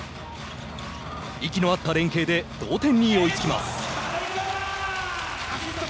息の合った連携で同点に追いつきます。